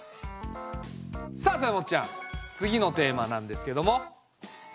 さあ豊本ちゃん次のテーマなんですけども。